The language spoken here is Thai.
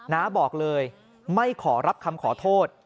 น้าบอกเลยไม่ขอรับคำขอโทษ